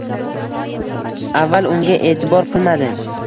Avval unga e`tibor qilmadi